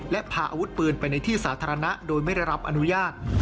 และพาอาวุธปืนไปในที่สาธารณะโดยไม่ได้รับอนุญาต